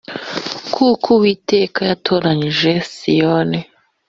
kuko uwiteka yatoranije siyoni